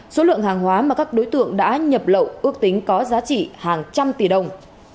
số lượng hàng hóa mà các đối tượng đã nhập lậu ước tính có giá trị hàng trăm tỷ đồng